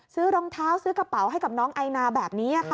รองเท้าซื้อกระเป๋าให้กับน้องไอนาแบบนี้ค่ะ